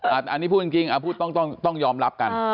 อันนี้พูดจริงต้องยอมรับกัน